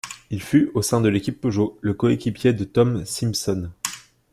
Il fut au sein de l'équipe Peugeot le coéquipier de Tom Simpson.